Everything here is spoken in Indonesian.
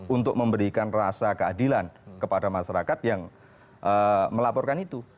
untuk memberikan rasa keadilan kepada masyarakat yang melaporkan itu